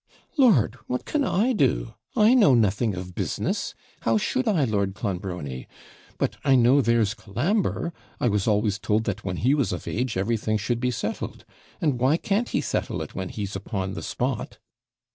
'Lord! what can I do? I know nothing of business; how should I, Lord Clonbrony; but I know there's Colambre I was always told that when he was of age everything should be settled; and why can't he settle it when he's upon the spot?'